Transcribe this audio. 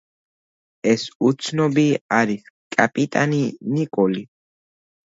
ეს უცნობი არის კაპიტანი ნიკოლი.